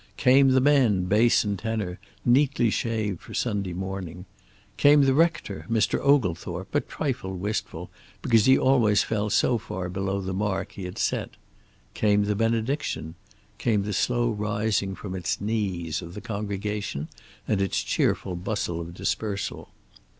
Came the men, bass and tenor, neatly shaved for Sunday morning. Came the rector, Mr. Oglethorpe, a trifle wistful, because always he fell so far below the mark he had set. Came the benediction. Came the slow rising from its knees of the congregation and its cheerful bustle of dispersal.